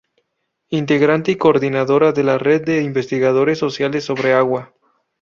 Integrante y coordinadora de la Red de Investigadores Sociales sobre Agua.